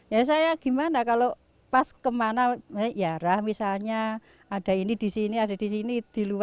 ya saya gimana kalau pas kemana ya lah misalnya ada ini di sini ada di sini